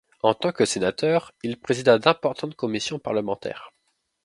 En tant que sénateur, il présida d'importantes commissions parlementaires.